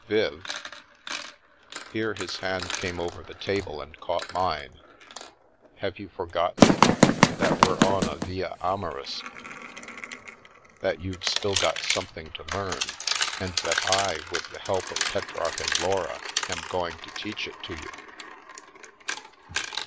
Viv " here his hand came over the table and caught mine —" have you forgotten? That we're on a Via Amoris? That you've still got something to learn, and that I, with the help of Petrarch and Laura, am going to teach it you?